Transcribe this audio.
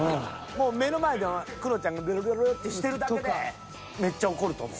もう目の前でクロちゃんがベロベロベロってしてるだけでめっちゃ怒ると思う。